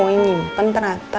yang nyimpen ternyata